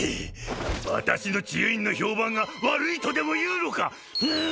私の治癒院の評判が悪いとでもいうのか！